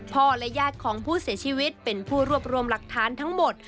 และญาติของผู้เสียชีวิตเป็นผู้รวบรวมหลักฐานทั้งหมด